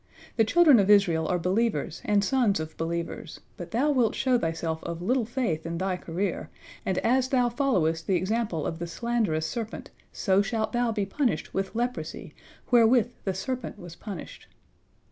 The children of Israel are believers and sons of believers, but thou wilt show thyself of little faith in thy career, and as thou followest the example of the slanderous serpent, so shalt thou be punished with leprosy, wherewith the serpent was punished."